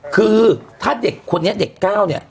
คือถ้าเด็กคนนี้เด็ก๙เนี่ย